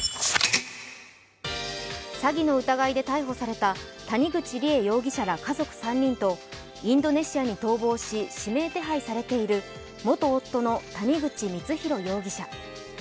詐欺の疑いで逮捕された谷口梨恵容疑者ら家族３人とインドネシアに逃亡し指名手配されている元夫の谷口光弘容疑者。